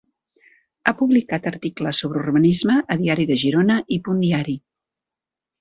Ha publicat articles sobre urbanisme a Diari de Girona i Punt Diari.